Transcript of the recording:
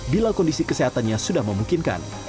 bila kondisi kesehatannya sudah memungkinkan